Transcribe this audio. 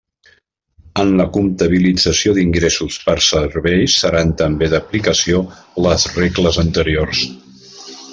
En la comptabilització d'ingressos per serveis seran també d'aplicació les regles anteriors.